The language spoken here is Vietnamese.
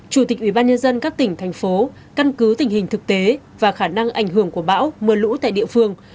chủ tịch ủy ban nhân dân các tỉnh thành phố căn cứ tình hình thực tế và khả năng ảnh hưởng của bão mưa lũ tại địa phương